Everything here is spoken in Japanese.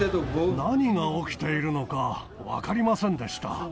何が起きているのか分かりませんでした。